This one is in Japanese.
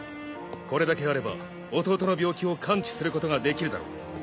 「これだけあれば弟の病気を完治することができるだろう」